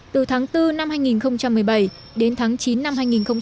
từ tháng bốn năm hai nghìn một mươi bảy đến tháng chín năm hai nghìn một mươi tám